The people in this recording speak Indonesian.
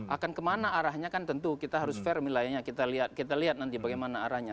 akan kemana arahnya kan tentu kita harus fair wilayahnya kita lihat nanti bagaimana arahnya